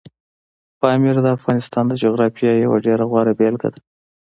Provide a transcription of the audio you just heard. پامیر د افغانستان د جغرافیې یوه ډېره غوره بېلګه ده.